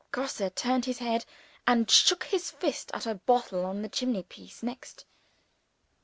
Grosse turned his head, and shook his fist at a bottle on the chimney piece next.